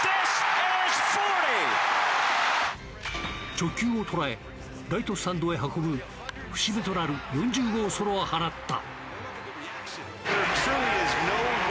直球を捉えライトスタンドへ運ぶ節目となる４０号ソロを放った。